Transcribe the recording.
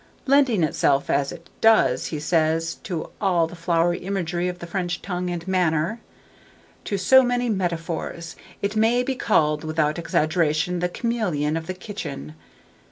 Lending itself, as it does, he says, in all the flowery imagery of the French tongue and manner, "to so many metamorphoses, it may be called, without exaggeration, the chameleon of the kitchen.